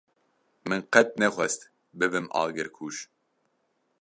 Min qet nexwest bibim agirkuj.